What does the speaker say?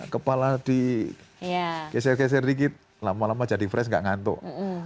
kepala di geser geser dikit lama lama jadi fresh gak ngantuk